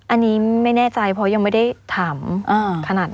อันนี้ไม่แน่ใจเพราะยังไม่ได้ถามขนาดนั้น